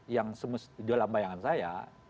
yang di dalam bayangan saya